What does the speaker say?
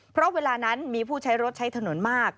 เพราะเวลานั้นมีผู้ใช้รถใช้ถนนมาก